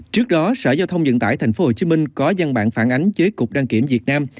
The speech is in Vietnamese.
trước đó sở giao thông dựng tải tp hcm có gian bản phản ánh với cục đăng kiểm việt nam